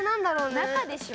中でしょ。